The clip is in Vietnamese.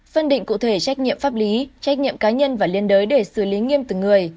phân định cụ thể trách nhiệm pháp lý trách nhiệm cá nhân và liên đới để xử lý nghiêm từng người